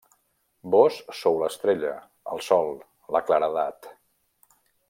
Vós sou l'estrella, el sol, la claredat…